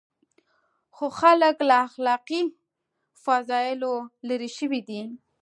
خو خلک له اخلاقي فضایلو لرې شوي دي.